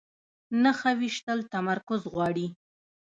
نښه ویشتل تمرکز غواړي